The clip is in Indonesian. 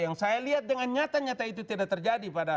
yang saya lihat dengan nyata nyata itu tidak terjadi pada